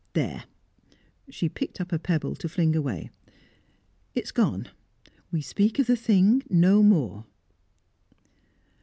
There!" She picked up a pebble to fling away. "It is gone! We speak of the thing no more."